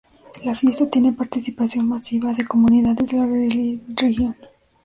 La fiesta tiene participación masiva de comunidades de la región.